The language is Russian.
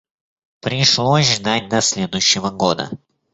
Пришлось ждать до следующего года.